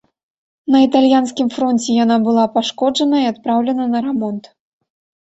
На італьянскім фронце яна была пашкоджана і адпраўлена на рамонт.